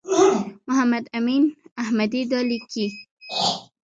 محمد امین احمدي دا لیکلي دي.